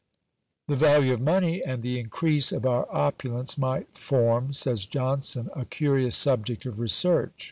The value of money, and the increase of our opulence, might form, says Johnson, a curious subject of research.